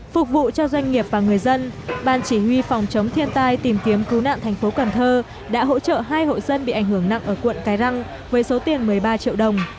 phục vụ cho doanh nghiệp và người dân ban chỉ huy phòng chống thiên tai tìm kiếm cứu nạn thành phố cần thơ đã hỗ trợ hai hội dân bị ảnh hưởng nặng ở quận cái răng với số tiền một mươi ba triệu đồng